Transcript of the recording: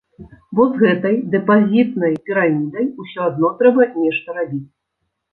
Бо з гэтай дэпазітнай пірамідай ўсё адно трэба нешта рабіць.